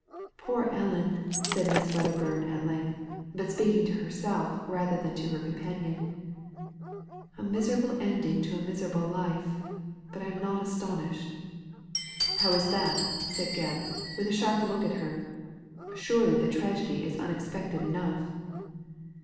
" Poor Ellen !" said Miss Wedderbum at length, but speaking to herself rather than to her companion. " A miserable ending to a miserable life ; but I am not astonished." "How is that?" said Gebb, with a sharp look at her. Surely the tragedy is unexpected enough."